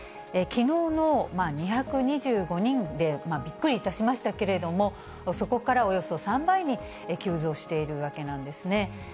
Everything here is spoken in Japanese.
きのうの２２５人でびっくりいたしましたけれども、そこからおよそ３倍に急増しているわけなんですね。